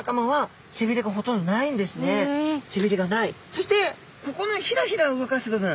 そしてここのひらひら動かす部分。